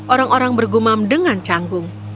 orang orang bergumam dengan canggung